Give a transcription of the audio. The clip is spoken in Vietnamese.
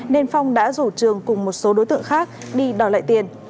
nên phong đã rủ trường cùng một số đối tượng khác đi đòi lại tiền